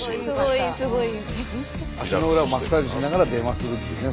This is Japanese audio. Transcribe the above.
足の裏をマッサージしながら電話するっていうね。